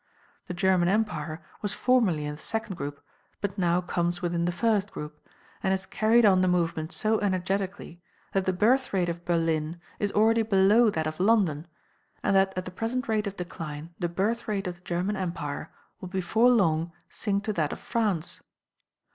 The German Empire was formerly in the second group, but now comes within the first group, and has carried on the movement so energetically that the birth rate of Berlin is already below that of London, and that at the present rate of decline the birth rate of the German Empire will before long sink to that of France.